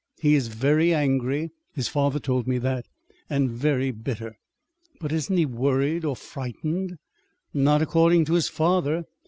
He is very angry (his father told me that), and very bitter." "But isn't he frightened, or worried?" "Not according to his father.